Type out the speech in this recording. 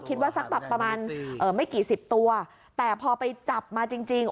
สักแบบประมาณเอ่อไม่กี่สิบตัวแต่พอไปจับมาจริงจริง